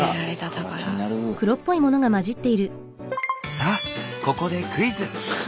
さあここでクイズ。